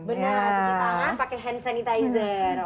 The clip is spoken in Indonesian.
benar cuci tangan pakai hand sanitizer